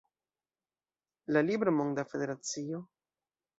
La libro Monda Federacio?